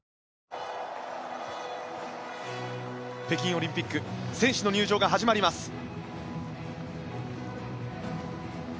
北京オリンピック選手の入場が始まります。